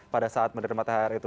pada saat menerima thr itu